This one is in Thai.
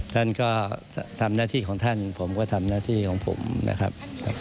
ท่านก็ทำหน้าที่ของท่านผมก็ทำหน้าที่ของผมนะครับ